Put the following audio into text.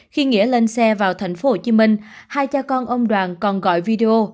khi nghĩa lên xe vào thành phố hồ chí minh hai cha con ông đoàn còn gọi video